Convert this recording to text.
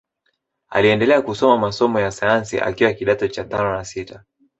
Aliendelea kusoma masomo ya sayansi akiwa kidato cha tano na sita